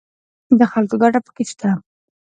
د خلکو ګټه پکې شته